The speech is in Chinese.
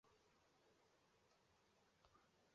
米诺斯王的妻子帕斯菲可能是塔罗斯的女儿。